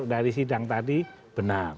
dari sidang tadi benar